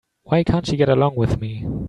Why can't she get along with me?